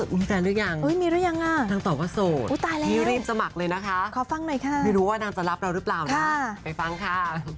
มีแฟนหรือยังนางตอบว่าโสดที่รีบสมัครเลยนะคะไม่รู้ว่านางจะรับเราหรือเปล่านะคะไปฟังค่ะ